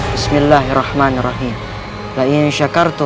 bersyukur atas nikmatku